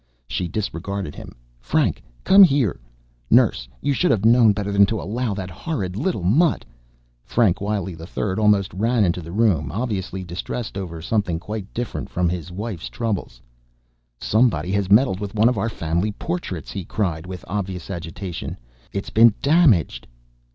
She disregarded him. "Frank! Come here! Nurse, you should have known better than to allow that horrid little mutt...." Frank Wiley III almost ran into the room, obviously distressed over something quite different from his wife's trouble. "Somebody has meddled with one of our family portraits," he cried with obvious agitation. "It's been damaged...."